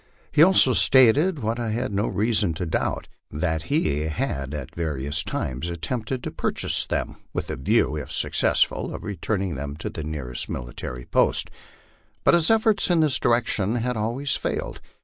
He also stilted, what I had no reason to doubt, that he had at various times attempted to purchase them, with a view, if successful, of returning them to the nearest military post ; but his efforts in this direction had always failed.